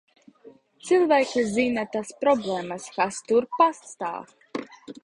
Cilvēki zina tās problēmas, kas tur pastāv.